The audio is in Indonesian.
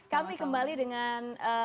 kami kembali dengan